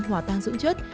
hòa tan dưỡng chất